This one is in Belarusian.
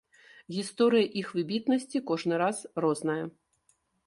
Гісторыя іх выбітнасці кожны раз розная.